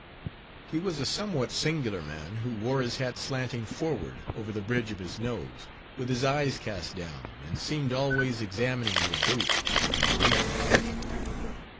He was a somewhat singular man, who wore his hat slanting forward over the bridge of his nose, with his eyes cast down, and seemed always examining your boots, when speaking to you.